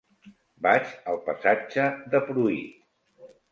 Vaig al passatge de Pruit.